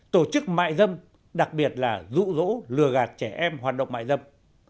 tổ chức mại dâm đặc biệt là rũ rỗ lừa gạt trẻ em hoàn động mại dâm